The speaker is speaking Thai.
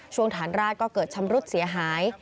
ฐานราดก็เกิดชำรุดเสียหาย